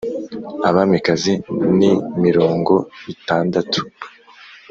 Abamikazi ni mirongo itandatu,